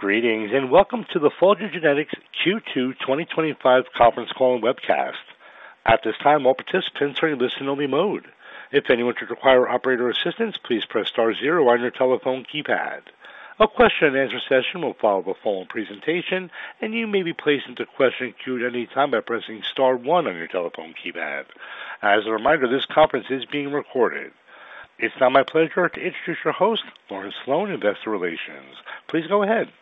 Greetings and welcome to the Fulgent Genetics Q2 2025 Conference Call Webcast. At this time, all participants are in listener only mode. If anyone should require operator assistance, please press star zero on your telephone keypad. A question and answer session will follow the following presentation, and you may be placed into questioning queue at any time by pressing star one on your telephone keypad. As a reminder, this conference is being recorded. It's now my pleasure to introduce your host, Lauren Sloane, Investor Relations. Please go ahead.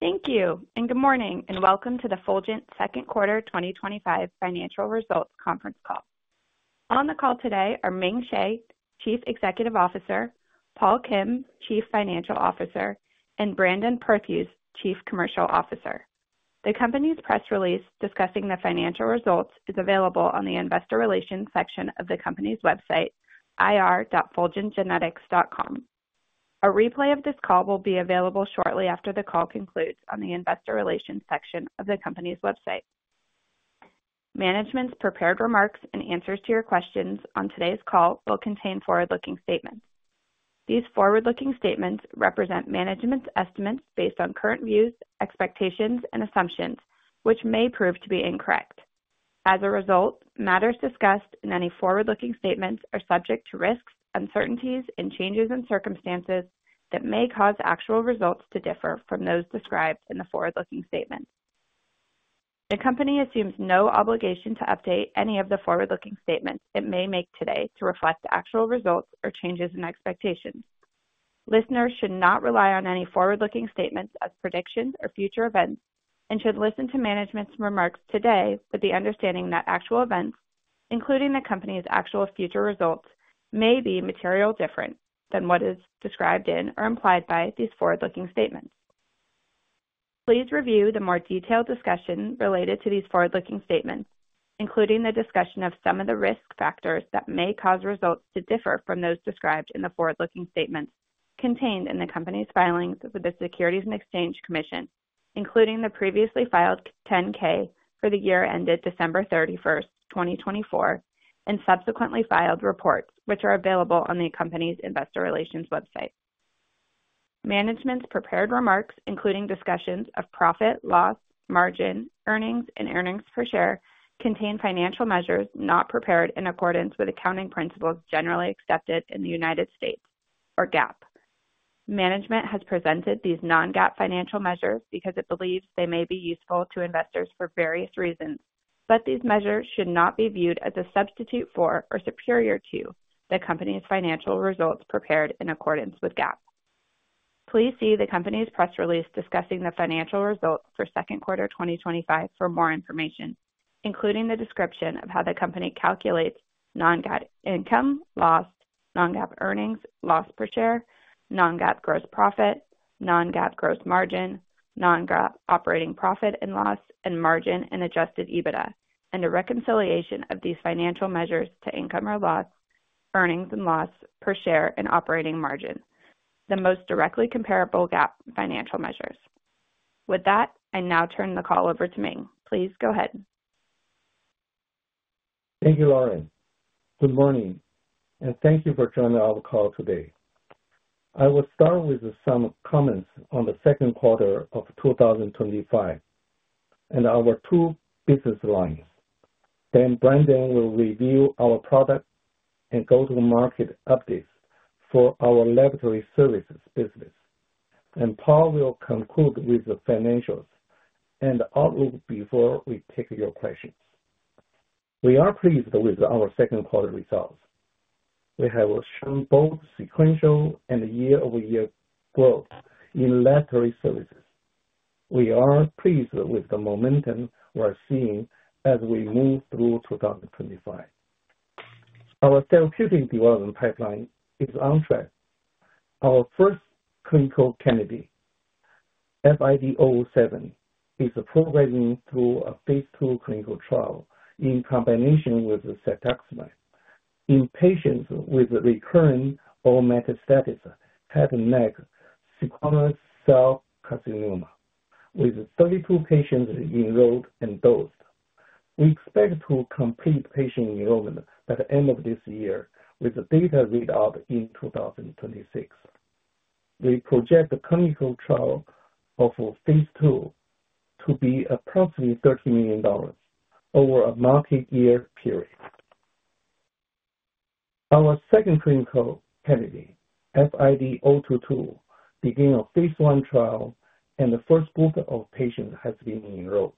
Thank you, and good morning, and welcome to the Fulgent Second Quarter 2025 Financial Results Conference Call. On the call today are Ming Hsieh, Chief Executive Officer; Paul Kim, Chief Financial Officer; and Brandon Perthuis, Chief Commercial Officer. The company's press release discussing the financial results is available on the Investor Relations section of the company's website, ir.fulgentgenetics.com. A replay of this call will be available shortly after the call concludes on the Investor Relations section of the company's website. Management's prepared remarks and answers to your questions on today's call will contain forward-looking statements. These forward-looking statements represent management's estimates based on current views, expectations, and assumptions, which may prove to be incorrect. As a result, matters discussed in any forward-looking statements are subject to risks, uncertainties, and changes in circumstances that may cause actual results to differ from those described in the forward-looking statements. The company assumes no obligation to update any of the forward-looking statements it may make today to reflect actual results or changes in expectations. Listeners should not rely on any forward-looking statements as predictions or future events and should listen to management's remarks today with the understanding that actual events, including the company's actual future results, may be materially different than what is described in or implied by these forward-looking statements. Please review the more detailed discussion related to these forward-looking statements, including the discussion of some of the risk factors that may cause results to differ from those described in the forward-looking statements contained in the company's filings with the Securities and Exchange Commission, including the previously filed 10-K for the year ended December 31, 2024, and subsequently filed reports, which are available on the company's Investor Relations website. Management's prepared remarks, including discussions of profit, loss, margin, earnings, and earnings per share, contain financial measures not prepared in accordance with accounting principles generally accepted in the United States, or GAAP. Management has presented these non-GAAP financial measures because it believes they may be useful to investors for various reasons, but these measures should not be viewed as a substitute for or superior to the company's financial results prepared in accordance with GAAP. Please see the company's press release discussing the financial results for second quarter 2025 for more information, including the description of how the company calculates non-GAAP income, loss, non-GAAP earnings, loss per share, non-GAAP gross profit, non-GAAP gross margin, non-GAAP operating profit and loss, and margin and adjusted EBITDA, and a reconciliation of these financial measures to income or loss, earnings and loss per share, and operating margin, the most directly comparable GAAP financial measures. With that, I now turn the call over to Ming. Please go ahead. Thank you, Lauren. Good morning, and thank you for joining our call today. I will start with some comments on the second quarter of 2025 and our two business lines. Brandon will review our product and go-to-market updates for our laboratory services business. Paul will conclude with the financials and outlook before we take your questions. We are pleased with our second quarter results. We have shown both sequential and year-over-year growth in laboratory services. We are pleased with the momentum we're seeing as we move through 2025. Our therapeutic development pipeline is on track. Our first clinical candidate, FID-007, is progressing through a phase two clinical trial in combination with cetuximab in patients with recurrent or metastatic head and neck squamous cell carcinoma, with 32 patients enrolled and dosed. We expect to complete patient enrollment by the end of this year with data readout in 2026. We project the clinical trial for phase two to be approximately $30 million over a multi-year period. Our second clinical candidate, FID-022, began a phase one trial, and the first group of patients has been enrolled.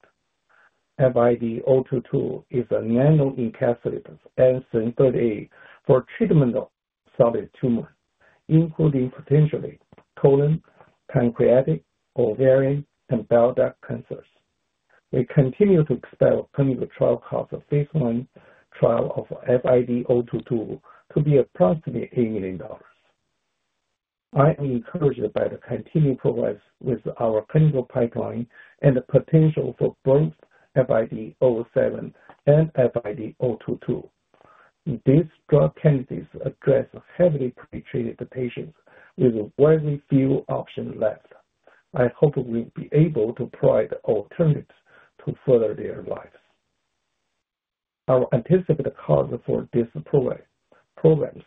FID-022 is a nanoencapsulated enzyme for treatment of solid tumors, including potentially colon, pancreatic, ovarian, and bile duct cancers. We continue to expect clinical trial cost of phase one trial of FID-022 to be approximately $8 million. I am encouraged by the continued progress with our clinical pipeline and the potential for growth of FID-007 and FID-022. These drug candidates address heavily pretreated patients with very few options left. I hope we'll be able to provide alternatives to further their lives. Our anticipated cost for these programs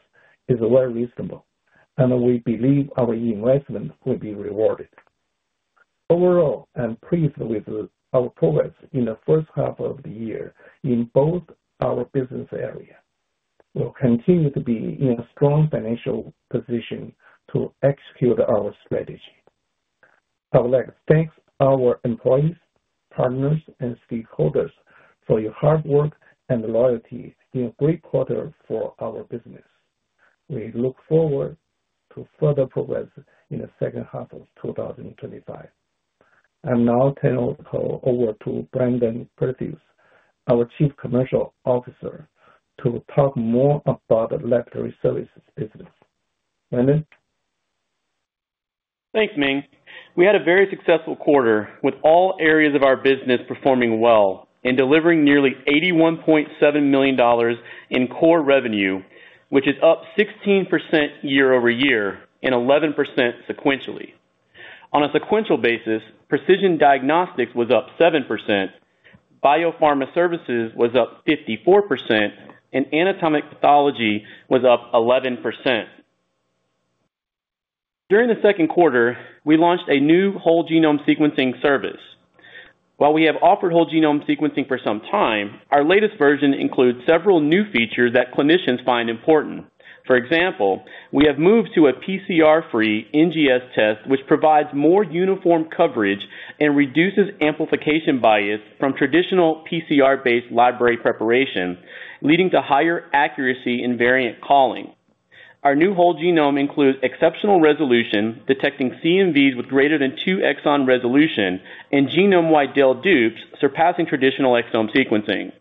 is very reasonable, and we believe our investment will be rewarded. Overall, I'm pleased with our progress in the first half of the year in both our business areas. We'll continue to be in a strong financial position to execute our strategy. I would like to thank our employees, partners, and stakeholders for your hard work and loyalty in a great quarter for our business. We look forward to further progress in the second half of 2025. I'm now turning it over to Brandon Perthuis, our Chief Commercial Officer, to talk more about the laboratory services business. Brandon? Thanks, Ming. We had a very successful quarter with all areas of our business performing well and delivering nearly $81.7 million in core revenue, which is up 16% year-over-year and 11% sequentially. On a sequential basis, precision diagnostics was up 7%, biopharma services was up 54%, and anatomic pathology was up 11%. During the second quarter, we launched a new whole genome sequencing service. While we have offered whole genome sequencing for some time, our latest version includes several new features that clinicians find important. For example, we have moved to a PCR-free NGS test, which provides more uniform coverage and reduces amplification bias from traditional PCR-based library preparation, leading to higher accuracy in variant calling. Our new whole genome includes exceptional resolution, detecting CNVs with greater than two exom resolution and genome-wide del/dup, surpassing traditional exome sequencing.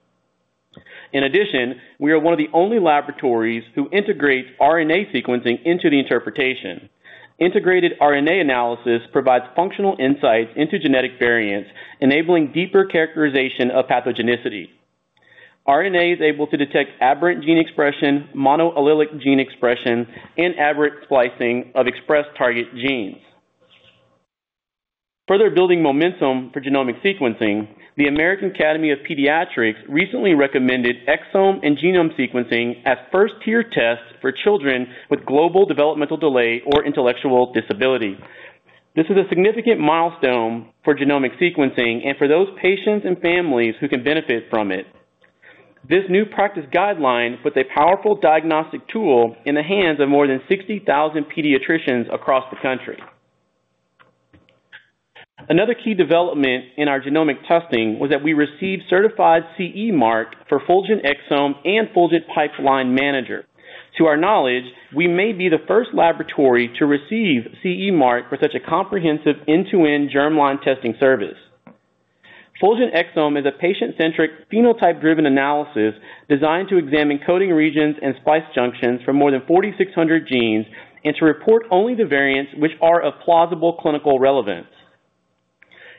In addition, we are one of the only laboratories who integrates RNA sequencing into the interpretation. Integrated RNA analysis provides functional insights into genetic variants, enabling deeper characterization of pathogenicity. RNA is able to detect aberrant gene expression, monoallelic gene expression, and aberrant splicing of expressed target genes. Further building momentum for genomic sequencing, the American Academy of Pediatrics recently recommended exome and genome sequencing as first-tier tests for children with global developmental delay or intellectual disability. This is a significant milestone for genomic sequencing and for those patients and families who can benefit from it. This new practice guideline puts a powerful diagnostic tool in the hands of more than 60,000 pediatricians across the country. Another key development in our genomic testing was that we received certified CE Mark for FulgentExome and Fulgent Pipeline Manager. To our knowledge, we may be the first laboratory to receive CE Mark for such a comprehensive end-to-end germline testing service. FulgentExome is a patient-centric, phenotype-driven analysis designed to examine coding regions and splice junctions for more than 4,600 genes and to report only the variants which are of plausible clinical relevance.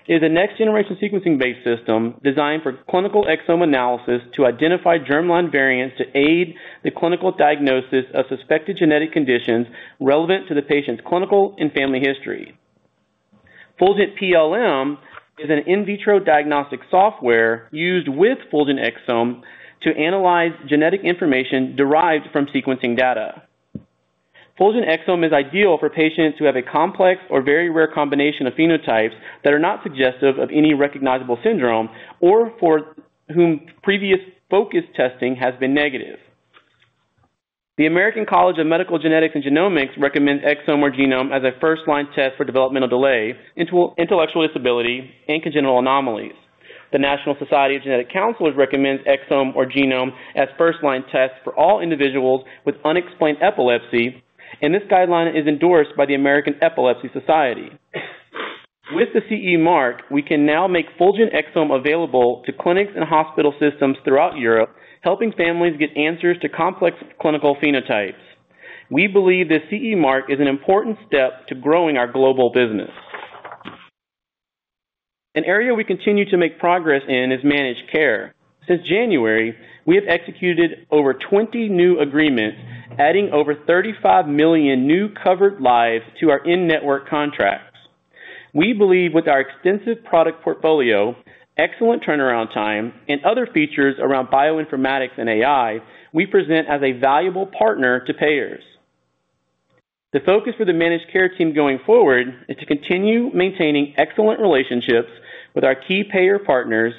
It is a next-generation sequencing-based system designed for clinical exome analysis to identify germline variants to aid the clinical diagnosis of suspected genetic conditions relevant to the patient's clinical and family history. Fulgent PLM is an in vitro diagnostic software used with FulgentExome to analyze genetic information derived from sequencing data. FulgentExome is ideal for patients who have a complex or very rare combination of phenotypes that are not suggestive of any recognizable syndrome or for whom previous focus testing has been negative. The American College of Medical Genetics and Genomics recommends exome or genome as a first-line test for developmental delay, intellectual disability, and congenital anomalies. The National Society of Genetic Counselors recommends exome or genome as first-line tests for all individuals with unexplained epilepsy, and this guideline is endorsed by the American Epilepsy Society. With the CE Mark, we can now make FulgentExome available to clinics and hospital systems throughout Europe, helping families get answers to complex clinical phenotypes. We believe the CE Mark is an important step to growing our global business. An area we continue to make progress in is managed care. Since January, we have executed over 20 new agreements, adding over 35 million new covered lives to our in-network contracts. We believe with our extensive product portfolio, excellent turnaround time, and other features around bioinformatics and AI, we present as a valuable partner to payers. The focus for the managed care team going forward is to continue maintaining excellent relationships with our key payer partners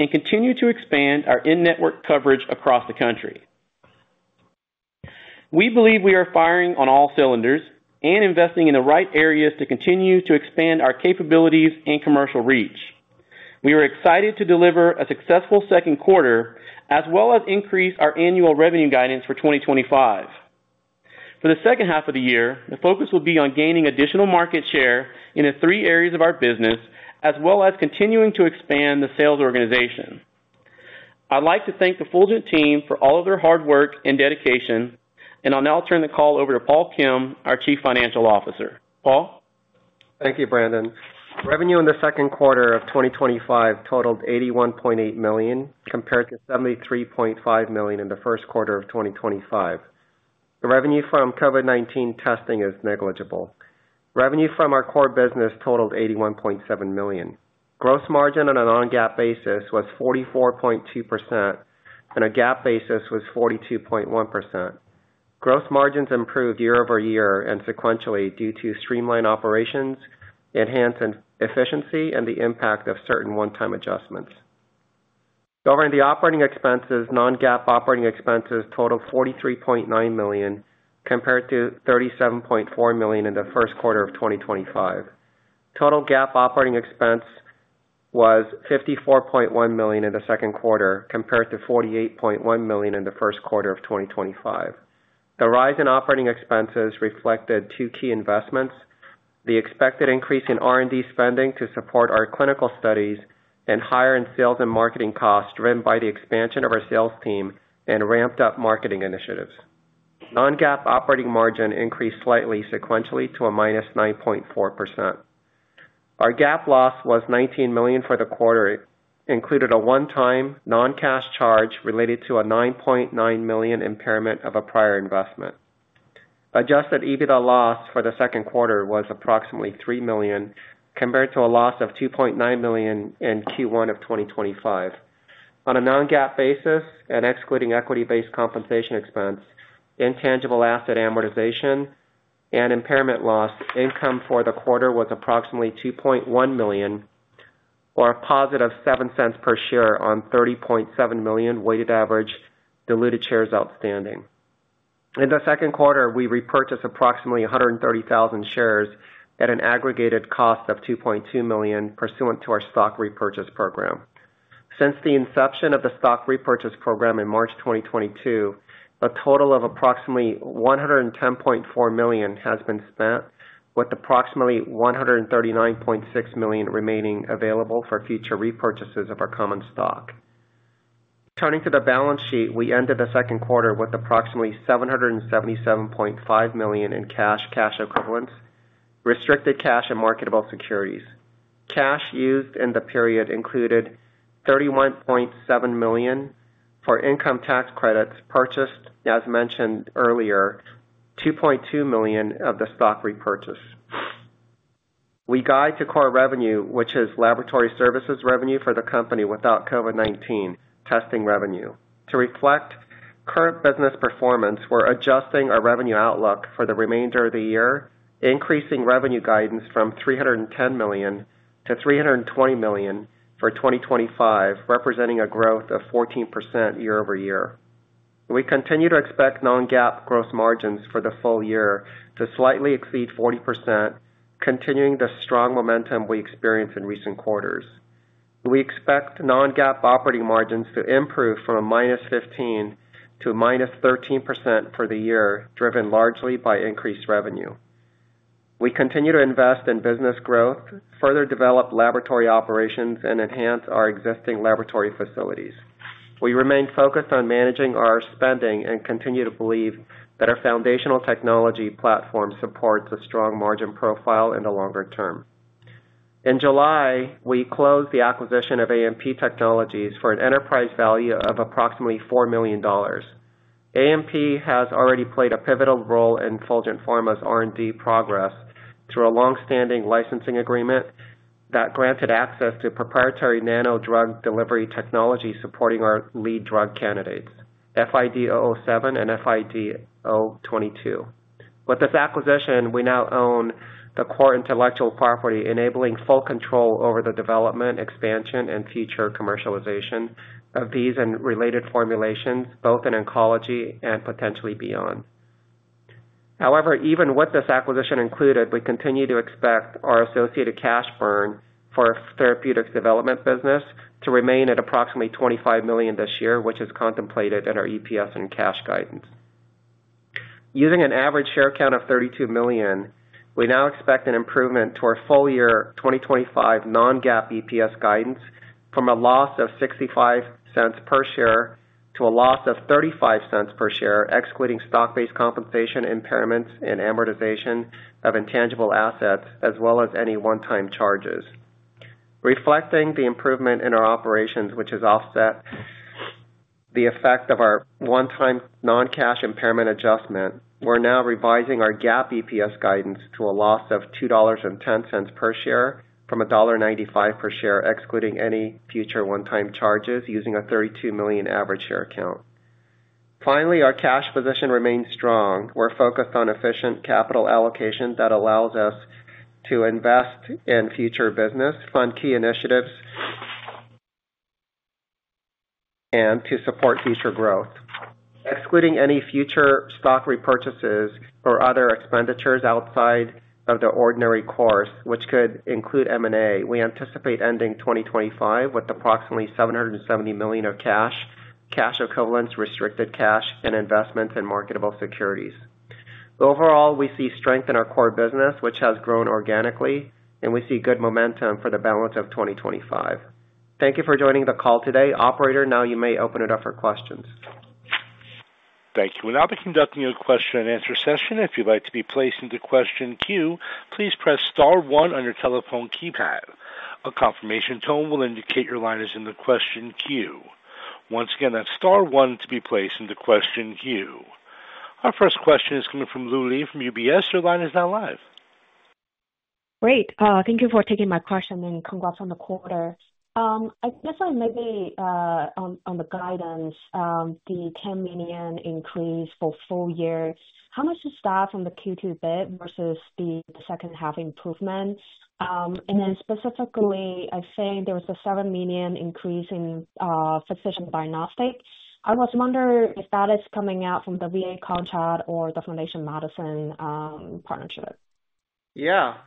and continue to expand our in-network coverage across the country. We believe we are firing on all cylinders and investing in the right areas to continue to expand our capabilities and commercial reach. We are excited to deliver a successful second quarter, as well as increase our annual revenue guidance for 2025. For the second half of the year, the focus will be on gaining additional market share in the three areas of our business, as well as continuing to expand the sales organization. I'd like to thank the Fulgent team for all of their hard work and dedication, and I'll now turn the call over to Paul Kim, our Chief Financial Officer. Paul? Thank you, Brandon. Revenue in the second quarter of 2025 totaled $81.8 million, compared to $73.5 million in the first quarter of 2025. The revenue from COVID-19 testing is negligible. Revenue from our core business totaled $81.7 million. Gross margin on a non-GAAP basis was 44.2%, and on a GAAP basis was 42.1%. Gross margins improved year-over-year and sequentially due to streamlined operations, enhanced efficiency, and the impact of certain one-time adjustments. Covering the operating expenses, non-GAAP operating expenses totaled $43.9 million, compared to $37.4 million in the first quarter of 2025. Total GAAP operating expense was $54.1 million in the second quarter, compared to $48.1 million in the first quarter of 2025. The rise in operating expenses reflected two key investments: the expected increase in R&D spending to support our clinical studies and higher sales and marketing costs driven by the expansion of our sales team and ramped up marketing initiatives. Non-GAAP operating margin increased slightly sequentially to a -9.4%. Our GAAP loss was $19 million for the quarter, including a one-time non-cash charge related to a $9.9 million impairment of a prior investment. Adjusted EBITDA loss for the second quarter was approximately $3 million, compared to a loss of $2.9 million in Q1 of 2025. On a non-GAAP basis and excluding equity-based compensation expense, intangible asset amortization, and impairment loss, income for the quarter was approximately $2.1 million, or a positive $0.07 per share on 30.7 million weighted average diluted shares outstanding. In the second quarter, we repurchased approximately 130,000 shares at an aggregate cost of $2.2 million pursuant to our stock repurchase program. Since the inception of the stock repurchase program in March 2022, a total of approximately $110.4 million has been spent, with approximately $139.6 million remaining available for future repurchases of our common stock. Turning to the balance sheet, we ended the second quarter with approximately $777.5 million in cash, cash equivalents, restricted cash, and marketable securities. Cash used in the period included $31.7 million for income tax credits purchased, as mentioned earlier, and $2.2 million for the stock repurchase. We guide to core revenue, which is laboratory services revenue for the company without COVID-19 testing revenue. To reflect current business performance, we're adjusting our revenue outlook for the remainder of the year, increasing revenue guidance from $310 million to $320 million for 2025, representing a growth of 14% year-over-year. We continue to expect non-GAAP gross margins for the full year to slightly exceed 40%, continuing the strong momentum we experienced in recent quarters. We expect non-GAAP operating margins to improve from a -15% to -13% for the year, driven largely by increased revenue. We continue to invest in business growth, further develop laboratory operations, and enhance our existing laboratory facilities. We remain focused on managing our spending and continue to believe that our foundational technology platform supports a strong margin profile in the longer term. In July, we closed the acquisition of ANP Technologies for an enterprise value of approximately $4 million. ANP has already played a pivotal role in Fulgent Pharma's R&D progress through a longstanding licensing agreement that granted access to proprietary nanodrug delivery technology supporting our lead drug candidates, FID-007 and FID-022. With this acquisition, we now own the core intellectual property, enabling full control over the development, expansion, and future commercialization of these and related formulations, both in oncology and potentially beyond. However, even with this acquisition included, we continue to expect our associated cash burn for our therapeutics development business to remain at approximately $25 million this year, which is contemplated in our EPS and cash guidance. Using an average share count of 32 million, we now expect an improvement to our full-year 2025 non-GAAP EPS guidance from a loss of $0.65 per share to a loss of $0.35 per share, excluding stock-based compensation, impairments, and amortization of intangible assets, as well as any one-time charges. Reflecting the improvement in our operations, which has offset the effect of our one-time non-cash impairment adjustment, we're now revising our GAAP EPS guidance to a loss of $2.10 per share from $1.95 per share, excluding any future one-time charges, using a 32 million average share count. Finally, our cash position remains strong. We're focused on efficient capital allocation that allows us to invest in future business, fund key initiatives, and to support future growth. Excluding any future stock repurchases or other expenditures outside of the ordinary course, which could include M&A, we anticipate ending 2025 with approximately $770 million of cash, cash equivalents, restricted cash, and investments in marketable securities. Overall, we see strength in our core business, which has grown organically, and we see good momentum for the balance of 2025. Thank you for joining the call today, Operator. Now you may open it up for questions. Thank you. We'll now be conducting a question and answer session. If you'd like to be placed into the question queue, please press star one on your telephone keypad. A confirmation tone will indicate your line is in the question queue. Once again, that's star one to be placed into the question queue. Our first question is coming from Lu Li from UBS. Your line is now live. Great. Thank you for taking my question and congrats on the quarter. On the guidance, the $10 million increase for full year, how much is that from the Q2 bit versus the second half improvement? Specifically, I think there was a $7 million increase in Precision Diagnostics. I was wondering if that is coming out from the VA contract or the Foundation Medicine partnership.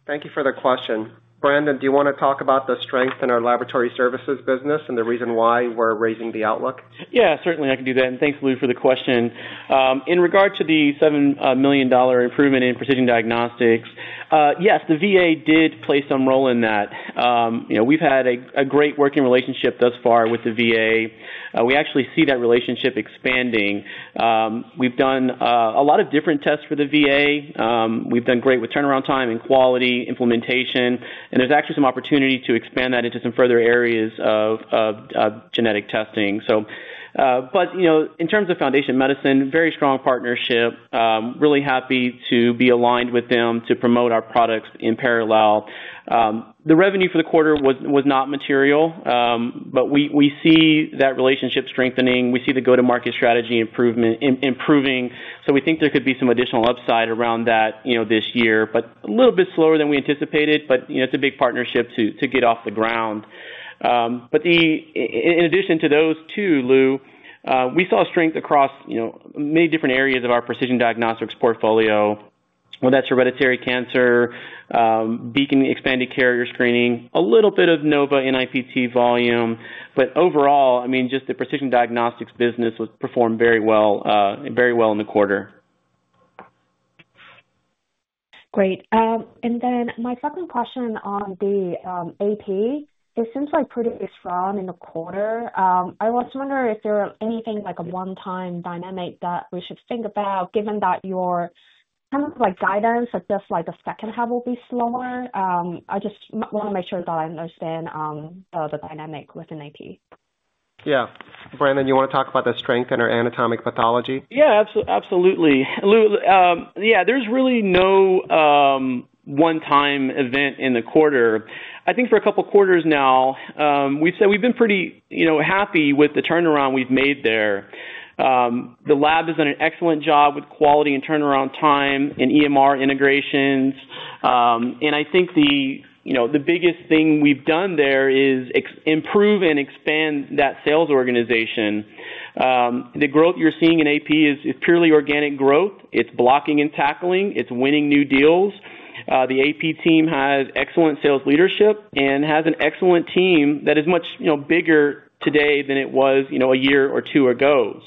Thank you for the question. Brandon, do you want to talk about the strength in our laboratory services business and the reason why we're raising the outlook? Yeah, certainly I can do that. Thanks, Lu, for the question. In regard to the $7 million improvement in Precision Diagnostics, yes, the VA did play some role in that. You know, we've had a great working relationship thus far with the VA. We actually see that relationship expanding. We've done a lot of different tests for the VA. We've done great with turnaround time and quality implementation. There's actually some opportunity to expand that into some further areas of genetic testing. In terms of Foundation Medicine, very strong partnership. Really happy to be aligned with them to promote our products in parallel. The revenue for the quarter was not material, but we see that relationship strengthening. We see the go-to-market strategy improving. We think there could be some additional upside around that this year, but a little bit slower than we anticipated. It's a big partnership to get off the ground. In addition to those two, Lu, we saw strength across many different areas of our Precision Diagnostics portfolio. That's hereditary cancer, Beacon Expanded Carrier Screening, a little bit of KNOVA NIPT volume. Overall, the Precision Diagnostics business performed very well, very well in the quarter. Great. Then my second question on the AP, it seems like pretty strong in the quarter. I was wondering if there are anything like a one-time dynamic that we should think about given that your kind of like guidance suggests like the second half will be slower. I just want to make sure that I understand the dynamic within AP. Yeah. Brandon, you want to talk about the strength in our anatomic pathology? Yeah, absolutely. Lu, there's really no one-time event in the quarter. I think for a couple of quarters now, we've said we've been pretty happy with the turnaround we've made there. The lab has done an excellent job with quality and turnaround time and EMR integrations. I think the biggest thing we've done there is improve and expand that sales organization. The growth you're seeing in AP is purely organic growth. It's blocking and tackling. It's winning new deals. The AP team has excellent sales leadership and has an excellent team that is much bigger today than it was a year or two ago.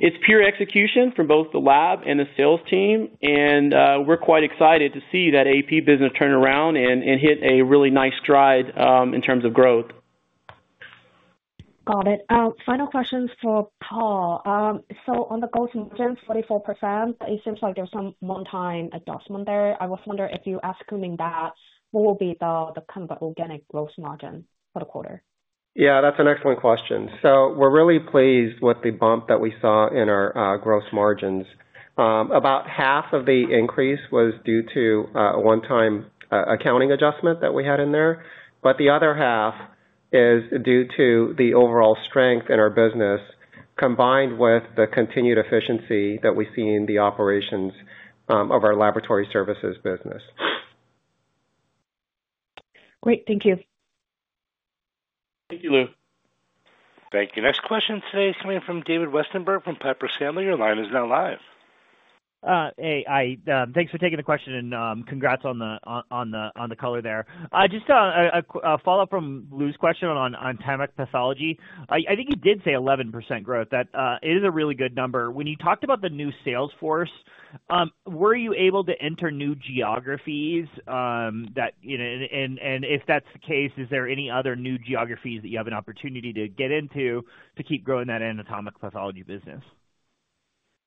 It's pure execution from both the lab and the sales team. We're quite excited to see that AP business turn around and hit a really nice stride in terms of growth. Got it. Final questions for Paul. On the gross margins, 34%, it seems like there's some one-time adjustment there. I was wondering if you're estimating that, what will be the kind of organic gross margin for the quarter? That's an excellent question. We're really pleased with the bump that we saw in our gross margins. About half of the increase was due to a one-time accounting adjustment that we had in there. The other half is due to the overall strength in our business, combined with the continued efficiency that we see in the operations of our laboratory services business. Great. Thank you. Thank you, Lu. Thank you. Next question today, David Westenberg from Piper Sandler. Your line is now live. Hey, thanks for taking the question and congrats on the color there. Just a follow-up from Lu's question on anatomic pathology. I think you did say 11% growth, that it is a really good number. When you talked about the new sales force, were you able to enter new geographies, and if that's the case, is there any other new geographies that you have an opportunity to get into to keep growing that anatomic pathology business?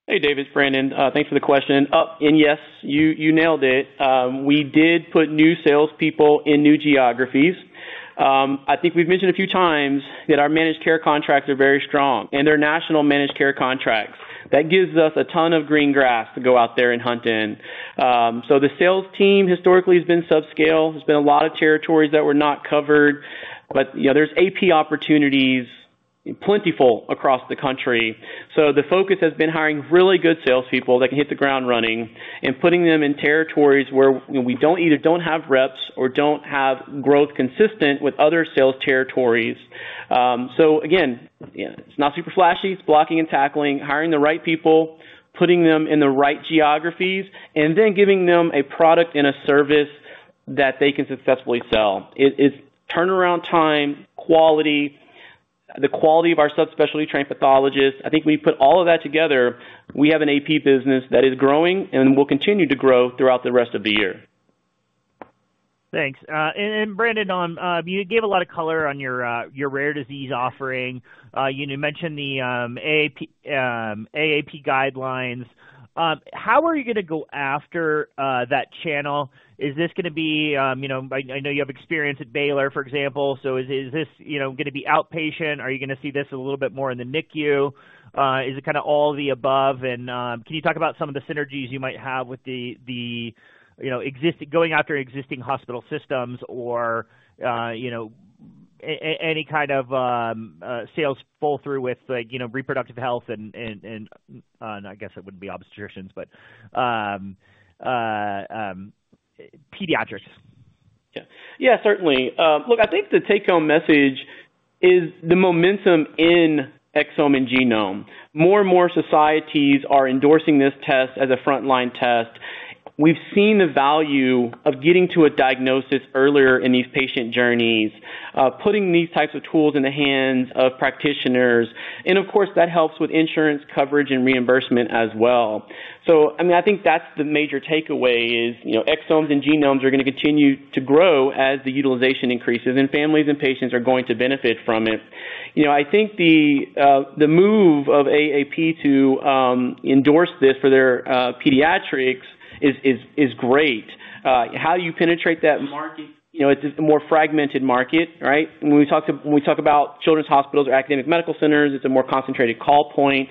Hey, David. It's Brandon. Thanks for the question. Yes, you nailed it. We did put new salespeople in new geographies. I think we've mentioned a few times that our managed care contracts are very strong and they're national managed care contracts. That gives us a ton of green grass to go out there and hunt in. The sales team historically has been subscale. There's been a lot of territories that were not covered. You know, there's AP opportunities, plentiful across the country. The focus has been hiring really good salespeople that can hit the ground running and putting them in territories where, you know, we either don't have reps or don't have growth consistent with other sales territories. Again, you know, it's not super flashy. It's blocking and tackling, hiring the right people, putting them in the right geographies, and then giving them a product and a service that they can successfully sell. It's turnaround time, quality, the quality of our subspecialty trained pathologists. I think we put all of that together. We have an AP business that is growing and will continue to grow throughout the rest of the year. Thanks. Brandon, you gave a lot of color on your rare disease offering. You mentioned the AAP guidelines. How are you going to go after that channel? Is this going to be, you know, I know you have experience at Baylor, for example. Is this going to be outpatient? Are you going to see this a little bit more in the NICU? Is it kind of all of the above? Can you talk about some of the synergies you might have with the existing, going after existing hospital systems or any kind of sales pull-through with, like, you know, reproductive health and, I guess it wouldn't be obstetricians, but pediatrics. Yeah, certainly. Look, I think the take-home message is the momentum in exome and genome. More and more societies are endorsing this test as a frontline test. We've seen the value of getting to a diagnosis earlier in these patient journeys, putting these types of tools in the hands of practitioners. Of course, that helps with insurance coverage and reimbursement as well. I think that's the major takeaway, you know, exomes and genomes are going to continue to grow as the utilization increases and families and patients are going to benefit from it. I think the move of AAP to endorse this for their pediatrics is great. How do you penetrate that market? It's a more fragmented market, right? When we talk about children's hospitals or academic medical centers, it's a more concentrated call point.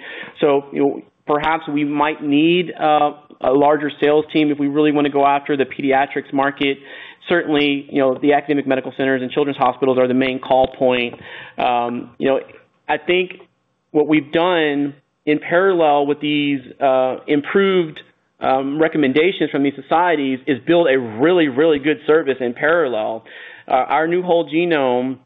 Perhaps we might need a larger sales team if we really want to go after the pediatrics market. Certainly, the academic medical centers and children's hospitals are the main call point. I think what we've done in parallel with these improved recommendations from these societies is build a really, really good service in parallel. Our new whole genome,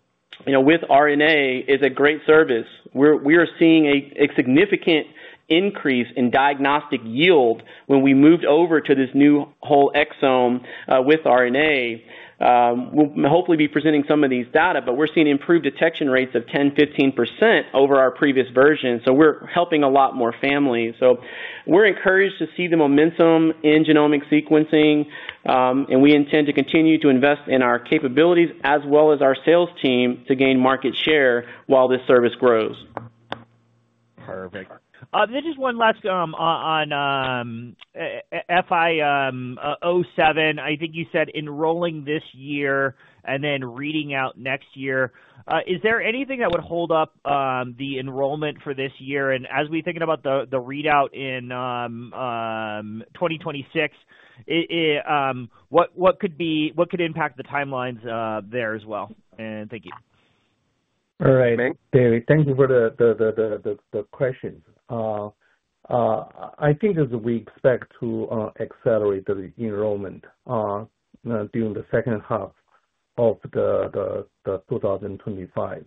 you know, with RNA is a great service. We're seeing a significant increase in diagnostic yield when we moved over to this new whole exome with RNA. We'll hopefully be presenting some of these data, but we're seeing improved detection rates of 10%, 15% over our previous version. We're helping a lot more families. We're encouraged to see the momentum in genomic sequencing, and we intend to continue to invest in our capabilities as well as our sales team to gain market share while this service grows. Perfect. This is one last, on FID-007. I think you said enrolling this year and then reading out next year. Is there anything that would hold up the enrollment for this year? As we think about the readout in 2026, what could impact the timelines there as well? Thank you. All right. David, thank you for the question. I think that we expect to accelerate the enrollment during the second half of 2025.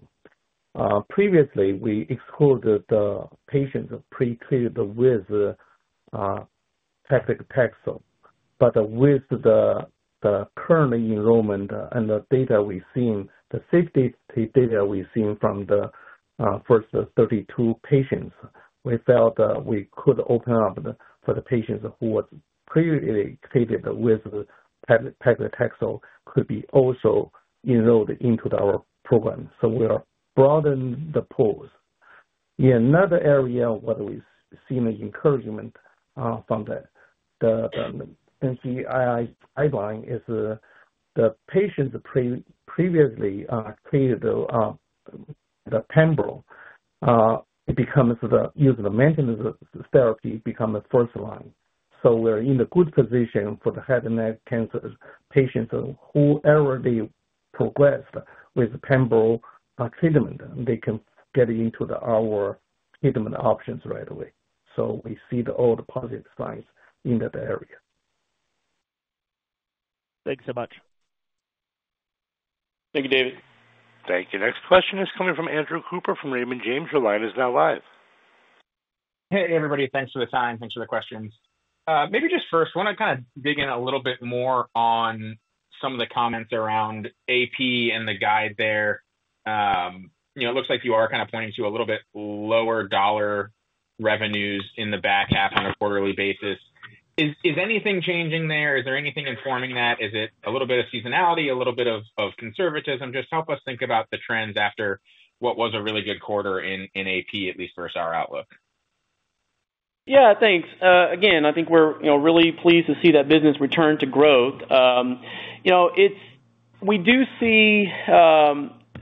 Previously, we excluded the patients pretreated with paclitaxel. With the current enrollment and the data we've seen, the safety data we've seen from the first 32 patients, we felt that we could open up for the patients who were previously treated with paclitaxel to be also enrolled into our program. We are broadening the post. In another area, what we've seen is encouragement from the NCI guideline. The patients previously treated with the pembro, it becomes the use of the maintenance therapy becomes the first line. We're in a good position for the head and neck cancer patients who already progressed with the pembro treatment. They can get into our treatment options right away. We see all the positive signs in that area. Thank you so much. Thank you, David. Thank you. Next question is coming from Andrew Cooper from Raymond James. Your line is now live. Hey, everybody. Thanks for the time. Thanks for the questions. Maybe just first, I want to kind of dig in a little bit more on some of the comments around AP and the guide there. It looks like you are kind of pointing to a little bit lower dollar revenues in the back half on a quarterly basis. Is anything changing there? Is there anything informing that? Is it a little bit of seasonality, a little bit of conservatism? Just help us think about the trends after what was a really good quarter in AP, at least versus our outlook. Yeah, thanks. Again, I think we're really pleased to see that business return to growth. We do see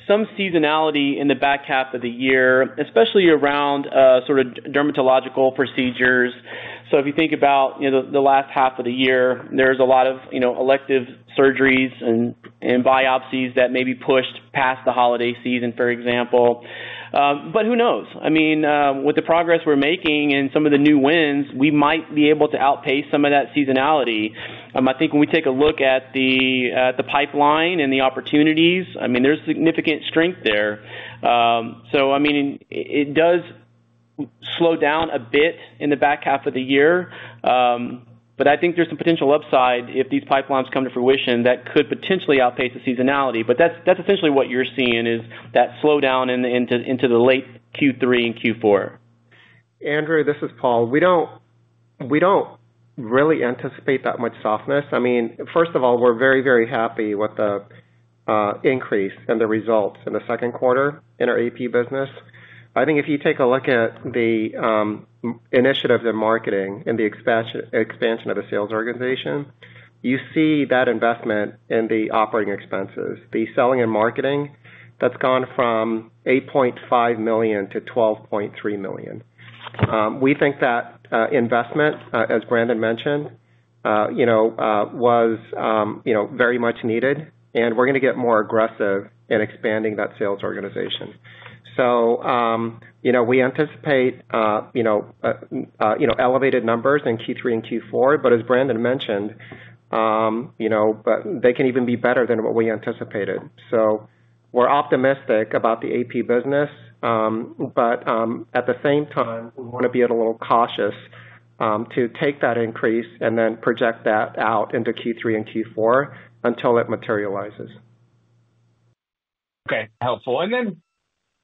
some seasonality in the back half of the year, especially around sort of dermatological procedures. If you think about the last half of the year, there's a lot of elective surgeries and biopsies that may be pushed past the holiday season, for example. Who knows? With the progress we're making and some of the new wins, we might be able to outpace some of that seasonality. I think when we take a look at the pipeline and the opportunities, there's significant strength there. It does slow down a bit in the back half of the year. I think there's some potential upside if these pipelines come to fruition that could potentially outpace the seasonality. That's essentially what you're seeing is that slowdown into the late Q3 and Q4. Andrew, this is Paul. We don't really anticipate that much softness. First of all, we're very, very happy with the increase and the results in the second quarter in our AP business. I think if you take a look at the initiatives in marketing and the expansion of the sales organization, you see that investment in the operating expenses, the selling and marketing, that's gone from $8.5 million to $12.3 million. We think that investment, as Brandon mentioned, was very much needed, and we're going to get more aggressive in expanding that sales organization. We anticipate elevated numbers in Q3 and Q4. As Brandon mentioned, they can even be better than what we anticipated. We're optimistic about the AP business. At the same time, we want to be a little cautious to take that increase and then project that out into Q3 and Q4 until it materializes. Okay. Helpful.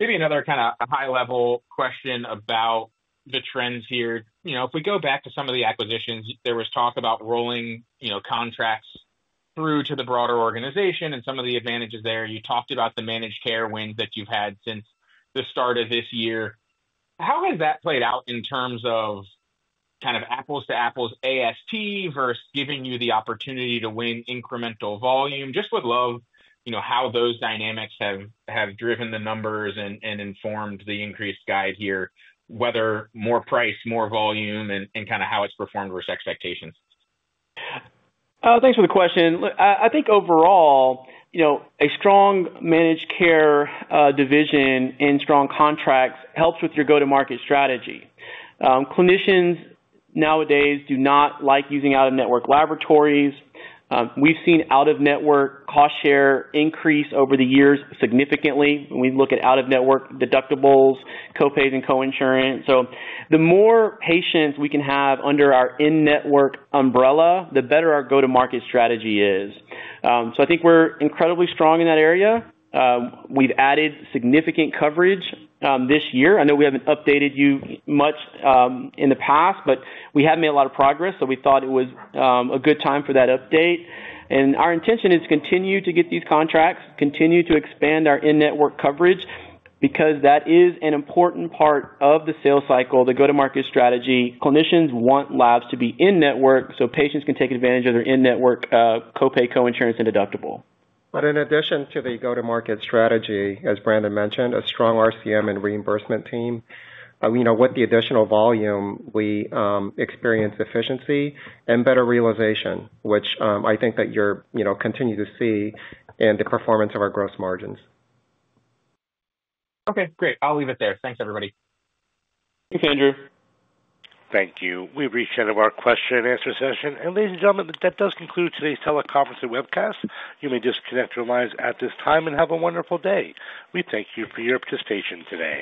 Maybe another kind of high-level question about the trends here. If we go back to some of the acquisitions, there was talk about rolling contracts through to the broader organization and some of the advantages there. You talked about the managed care wins that you've had since the start of this year. How has that played out in terms of kind of apples-to-apples ASP versus giving you the opportunity to win incremental volume? Just would love how those dynamics have driven the numbers and informed the increased guide here, whether more price, more volume, and kind of how it's performed versus expectations. Thanks for the question. I think overall, you know, a strong managed care division and strong contracts helps with your go-to-market strategy. Clinicians nowadays do not like using out-of-network laboratories. We've seen out-of-network cost share increase over the years significantly when we look at out-of-network deductibles, co-pays, and co-insurance. The more patients we can have under our in-network umbrella, the better our go-to-market strategy is. I think we're incredibly strong in that area. We've added significant coverage this year. I know we haven't updated you much in the past, but we have made a lot of progress. We thought it was a good time for that update. Our intention is to continue to get these contracts, continue to expand our in-network coverage because that is an important part of the sales cycle, the go-to-market strategy. Clinicians want labs to be in-network so patients can take advantage of their in-network co-pay, co-insurance, and deductible. In addition to the go-to-market strategy, as Brandon mentioned, a strong RCM and reimbursement team, with the additional volume, we experience efficiency and better realization, which I think that you're continuing to see in the performance of our gross margins. Okay. Great. I'll leave it there. Thanks, everybody. Thank you, Andrew. Thank you. We appreciate our question and answer session. Ladies and gentlemen, that does conclude today's teleconference and webcast. You may disconnect your lines at this time and have a wonderful day. We thank you for your participation today.